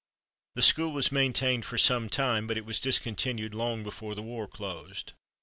The school was maintained for some time, but it was discontinued long before the war closed.